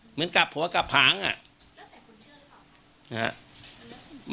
เหมือนกลับหัวกลับหางอ่ะแล้วแต่คนเชื่อหรือเปล่าครับฮะ